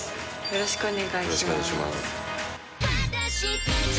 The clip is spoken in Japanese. よろしくお願いします。